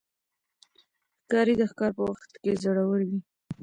ښکاري د ښکار په وخت کې زړور وي.